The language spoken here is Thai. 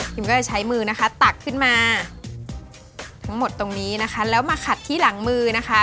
ก็จะใช้มือนะคะตักขึ้นมาทั้งหมดตรงนี้นะคะแล้วมาขัดที่หลังมือนะคะ